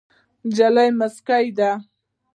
نجلۍ موسکۍ ده.